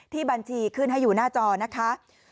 ที่บัญชีขึ้นให้อยู่หน้าจอนะคะ๐๖๗๐๐๖๘๙๕๐